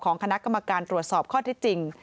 คณะกรรมการตรวจสอบข้อที่จริง